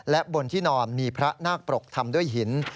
และบนที่นอนมีพระนาคปรกทำด้วยหิน